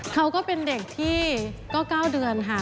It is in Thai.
เขาก็เป็นเด็กที่ก็๙เดือนค่ะ